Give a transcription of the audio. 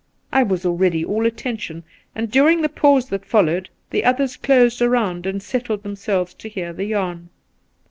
I was already all attention, and during the pause that followed the others closed around and settled themselves to hear the yarn.